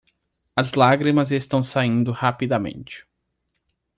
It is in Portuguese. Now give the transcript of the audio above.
As lágrimas estão saindo rapidamente.